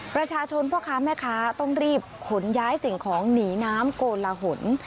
ประชาชนพ่อค้าแม่ค้าต้องรีบขนย้ายสิ่งของหนีน้ำโกลหน